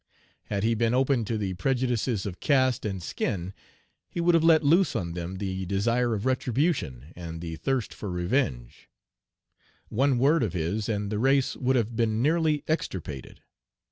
Had he been open to the prejudices of caste and skin, he would have let loose on them the desire of retribution, and the thirst for revenge. One word of his, and the race would have been nearly extirpated.